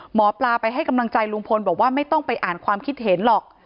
หมอปลาไปให้กำลังใจลุงพลบอกว่าไม่ต้องไปอ่านความคิดเห็นหรอก